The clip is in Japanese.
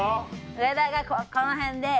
上田がこの辺で。